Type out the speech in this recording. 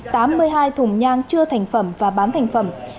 tám mươi hai thùng nhang chưa thành phẩm và bán thành phẩm